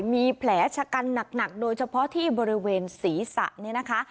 มีแผลชะกันหนักโดยเฉพาะที่บริเวณศีรษะเนี่ยนะคะ